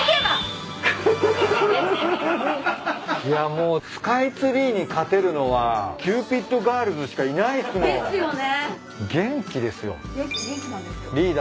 いやもうスカイツリーに勝てるのはキューピッドガールズしかいないっすもん。ですよね。